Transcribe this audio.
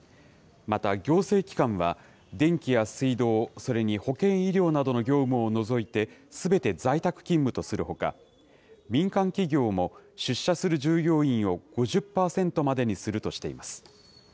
また行政機関は、電気や水道、それに保健医療などの業務を除いて、すべて在宅勤務とするほか、民間企業も出社する従業員を５０％までにするとしています。